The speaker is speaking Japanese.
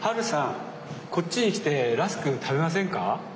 こっちに来てラスク食べませんか？